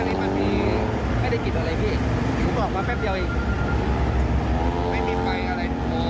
แต่คันนี้ไม่เคยมีปัญหานะ